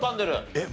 えっ？